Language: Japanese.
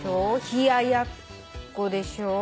冷ややっこでしょ。